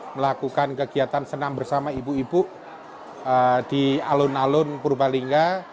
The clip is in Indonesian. melakukan kegiatan senam bersama ibu ibu di alun alun purbalingga